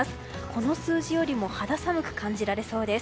この数字よりも肌寒く感じられそうです。